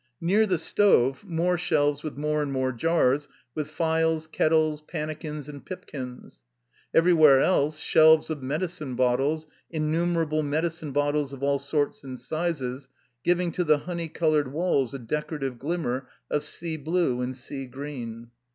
Near the stove, more shelves with more and more jars, with phials, kettles, pannikins, and pipkins. Every where else shelves of medicine bottles, innumerable medicine bottles of all sorts and sizes, giving to the honey colored walls a decorative glimmer of sea blue and sea green.